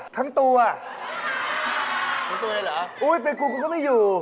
ทั้งตัวได้เหรออุ๊ยเป็นกูกูก็ไม่อยู่